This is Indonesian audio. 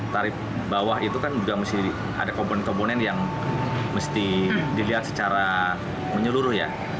tarif bawah itu kan juga mesti ada komponen komponen yang mesti dilihat secara menyeluruh ya